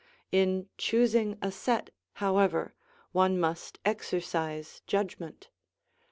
In choosing a set, however, one must exercise judgment.